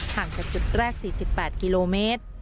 ห่างจากจุดแรก๔๘กิโลเมตร